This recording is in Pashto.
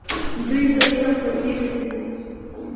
دوی سړې او تودې لیدلي دي.